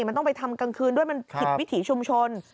มันต้องไปทำกลางคืนด้วยมันผิดวิถีชุมชน